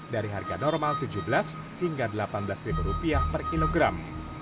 dari harga normal rp tujuh belas hingga rp delapan belas per kilogram